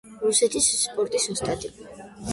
რუსეთის სპორტის ოსტატი.